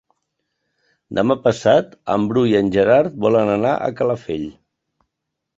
Demà passat en Bru i en Gerard volen anar a Calafell.